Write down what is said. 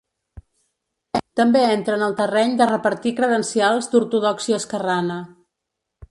També entra en el terreny de repartir credencials d’ortodòxia esquerrana.